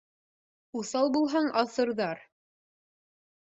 Уҫал булһаң, аҫырҙар;